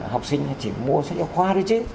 học sinh chỉ mua sách học khoa thôi chứ